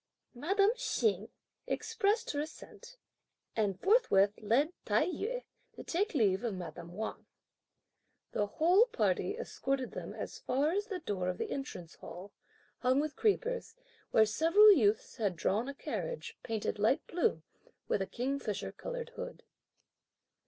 Madame Hsing expressed her assent, and forthwith led Tai yü to take leave of madame Wang. The whole party escorted them as far as the door of the Entrance Hall, hung with creepers, where several youths had drawn a carriage, painted light blue, with a kingfisher coloured hood.